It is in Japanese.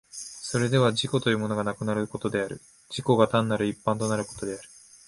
それでは自己というものがなくなることである、自己が単なる一般となることである。